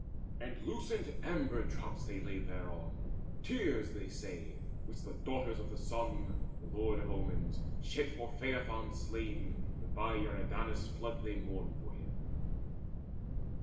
And lucent amber drops they laid thereon, Years, say they, which the Daughters of the Sun, The Lord of Omens, shed for Phaethon slain, When by Eridanus' flood they mourned for him.